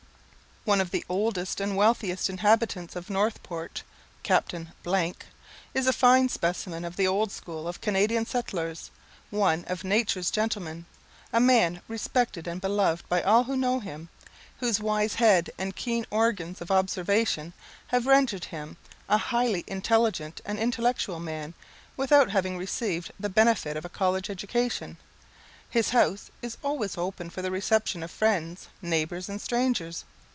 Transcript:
One of the oldest and wealthiest inhabitants of Northport, Captain , is a fine specimen of the old school of Canadian settlers; one of nature's gentlemen, a man respected and beloved by all who know him, whose wise head, and keen organs of observation, have rendered him a highly intelligent and intellectual man, without having received the benefit of a college education. His house is always open for the reception of friends, neighbours, and strangers.